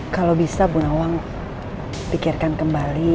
kalau bisa bu nawang pikirkan kembali